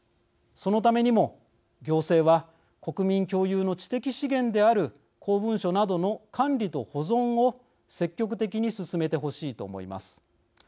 そのためにも、行政は国民共有の知的資源である公文書などの管理と保存を積極的に進めてほしいと思います。